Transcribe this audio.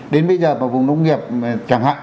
đến bây giờ mà vùng nông nghiệp chẳng hạn ví dụ như